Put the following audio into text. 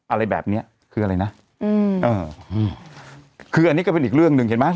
อะไรแบบเนี้ยคืออะไรนะอืมเอออืมคืออันนี้ก็เป็นอีกเรื่องหนึ่งเห็นไหม